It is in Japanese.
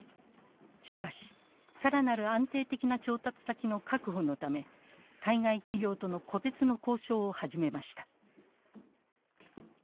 しかし更なる安定的な調達先の確保のため海外企業との個別の交渉を始めました。